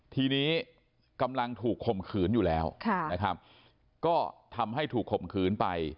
ทีนี้กำลังถูกข่มขืนอยู่แล้วนะครับก็ทำให้ถูกข่มขืนไป